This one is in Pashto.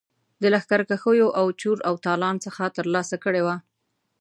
د لښکرکښیو او چور او تالان څخه ترلاسه کړي وه.